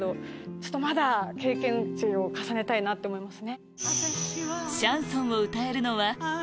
ちょっとまだ経験値を重ねたいなって思います。